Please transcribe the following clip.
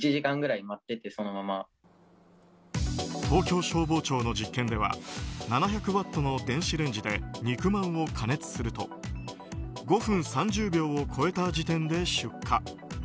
東京消防庁の実験では７００ワットの電子レンジで肉まんを加熱すると５分３０秒を超えた時点で出火。